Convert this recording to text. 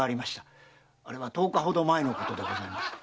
あれは十日ほど前のことでございます。